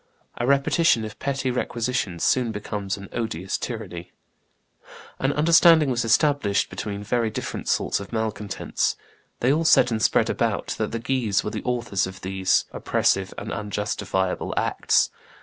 A repetition of petty requisitions soon becomes an odious tyranny. An understanding was established between very different sorts of malcontents; they all said and spread abroad that the Guises were the authors of these oppressive and unjustifiable acts.